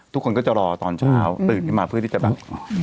ทุกคนก็จะรอตอนเช้าตื่นขึ้นมาเพื่อที่จะแบบ